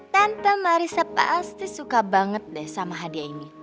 tanpa marissa pasti suka banget deh sama hadiah ini